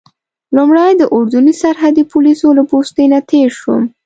لومړی د اردني سرحدي پولیسو له پوستې نه تېر شوم.